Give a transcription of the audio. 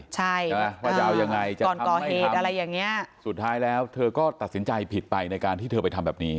ใช่ไหมว่าจะเอายังไงก่อนก่อเหตุอะไรอย่างเงี้ยสุดท้ายแล้วเธอก็ตัดสินใจผิดไปในการที่เธอไปทำแบบนี้